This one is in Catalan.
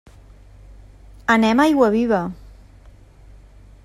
Anem a Aiguaviva.